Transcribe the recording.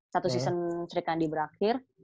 satu season serikandi berakhir